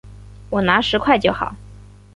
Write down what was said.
我拿十块就好